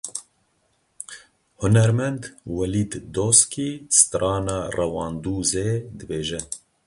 Hunermend Welîd Doskî strana Rewandûzê dibêje.